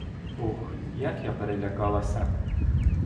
Ох, як я перелякалася!